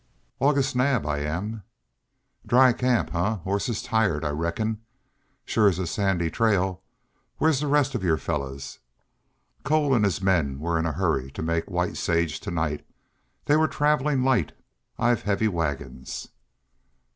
"August Naab, I am." "Dry camp, eh? Hosses tired, I reckon. Shore it's a sandy trail. Where's the rest of you fellers?" "Cole and his men were in a hurry to make White Sage to night. They were travelling light; I've heavy wagons."